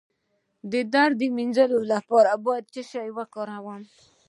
د درد د مینځلو لپاره باید څه شی وکاروم؟